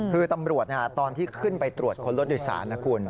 คือตำรวจตอนที่ขึ้นไปตรวจค้นรถโดยสารนะคุณ